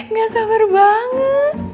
gak sabar banget